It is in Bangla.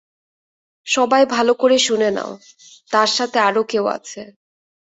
সবাই ভালো করে শুনে নাও, তার সাথে আরো কেউ আছে।